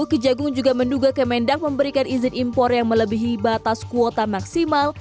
kejagung juga menduga kemendak memberikan izin impor yang melebihi batas kuota maksimal